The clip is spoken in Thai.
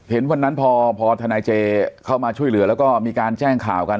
เห็นวันนั้นพอทนายเจเข้ามาช่วยเหลือแล้วก็มีการแจ้งข่าวกัน